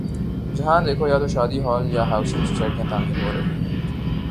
جہاں دیکھو یا تو شادی ہال یا ہاؤسنگ سوسائٹیاں تعمیر ہو رہی ہیں۔